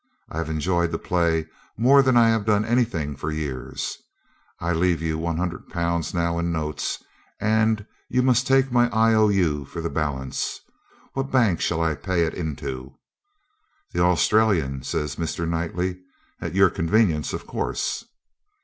I've enjoyed the play more than I have done anything for years. I leave you 100 Pounds now in notes, and you must take my I O U for the balance. What bank shall I pay it into?' 'The Australian,' says Mr. Knightley. 'At your convenience, of course.'